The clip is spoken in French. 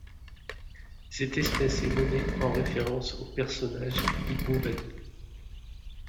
Cette espèce est nommée en référence au personnage Bilbo Baggins.